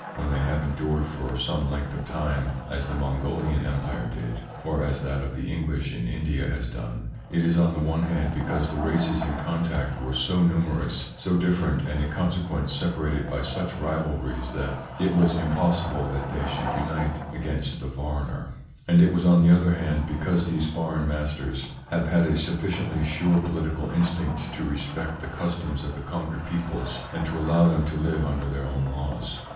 When they have endured for some length of time, as the Mongolian Empire did, or as that of the English in India has done, it is on the one hand because the races in contact were so numerous, so different, and in consequence separated by such rivalries that it was impossible that they should unite against the foreigner ; and it was on the other hand because these foreign masters have had a sufficiently sure political instinct to respect the customs of the conquered peoples and to allow them to live under their own laws.